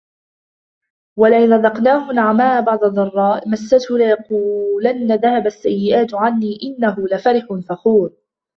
ولئن أذقناه نعماء بعد ضراء مسته ليقولن ذهب السيئات عني إنه لفرح فخور